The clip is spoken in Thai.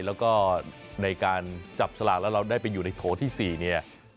แล้วก็ในการจับสลากแล้วเราได้ไปอยู่ในโถที่๔เนี่ย